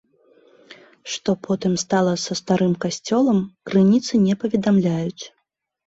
Што потым стала со старым касцёлам, крыніцы не паведамляюць.